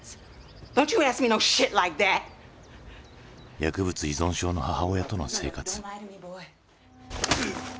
薬物依存症の母親との生活。